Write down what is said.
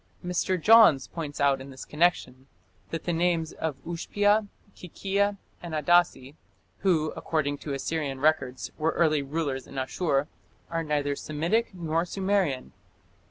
Mr. Johns points out in this connection that the names of Ushpia, Kikia, and Adasi, who, according to Assyrian records, were early rulers in Asshur, "are neither Semitic nor Sumerian".